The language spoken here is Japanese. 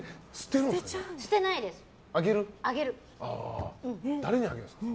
捨てるんですか？